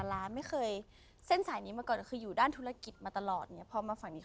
เขาก็เลยเฮ้ยลองดูมั้ยก็เป็นโอกาสที่ดี